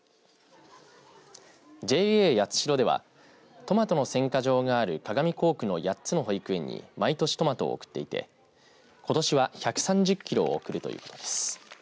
ＪＡやつしろではトマトの選果場がある鏡校区の８つの保育園に毎年トマトを贈っていてことしは１３０キロを贈るということです。